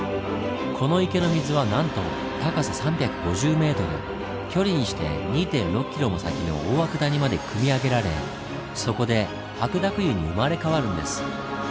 この池の水はなんと高さ３５０ｍ距離にして２．６ｋｍも先の大涌谷までくみ上げられそこで白濁湯に生まれ変わるんです。